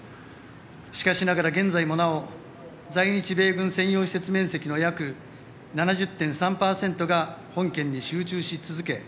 しかしながら、現在もなお在日米軍専用施設面積の約７０．３％が本県に集中し続け